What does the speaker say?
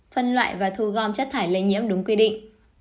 phân loại và thu gom chất thải lây nhiễm đúng quy định